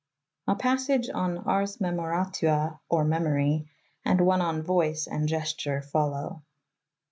A passage on " Ars memoratiua, Or Memory " and one on voice and gesture follow.